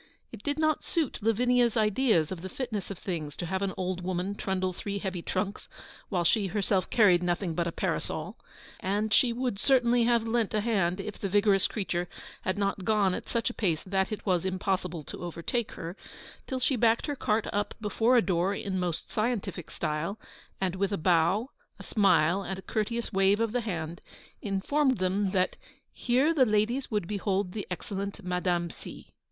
It did not suit Lavinia's ideas of the fitness of things to have an old woman trundle three heavy trunks while she herself carried nothing but a parasol, and she would certainly have lent a hand if the vigorous creature had not gone at such a pace that it was impossible to overtake her till she backed her cart up before a door in most scientific style, and with a bow, a smile, and a courteous wave of the hand, informed them that 'here the ladies would behold the excellent Madame C.'